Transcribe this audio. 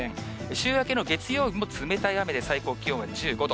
週明けの月曜日も冷たい雨で、最高気温は１５度。